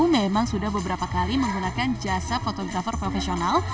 memang sudah beberapa kali menggunakan jasa fotografer profesional